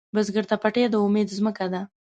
بزګر ته پټی د امید ځمکه ده